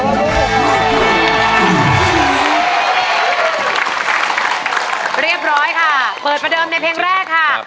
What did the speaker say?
เรียบร้อยค่ะเปิดประเดิมในเพลงแรกค่ะ